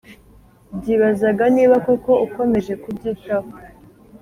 byibazaga niba koko ukomeje kubyitaho